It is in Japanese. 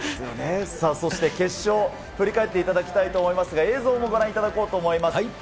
そして決勝、振り返っていただきたいと思いますが、映像もご覧いただこうと思います。